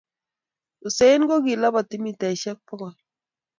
Usain ko kilabati mitaishe bakol